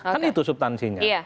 kan itu subtansinya